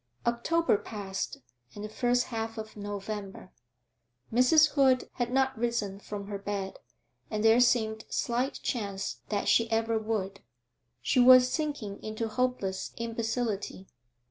October passed, and the first half of November. Mrs. Hood had not risen from her bed, and there seemed slight chance that she ever would; she was sinking into hopeless imbecility.